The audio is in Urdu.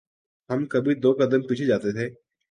ہم کبھی دو قدم پیچھے جاتے تھے۔